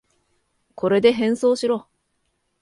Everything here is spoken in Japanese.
これで変装しろ。